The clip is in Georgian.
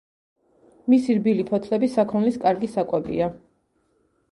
მისი რბილი ფოთლები საქონლის კარგი საკვებია.